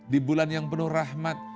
di bulan yang penuh rahmat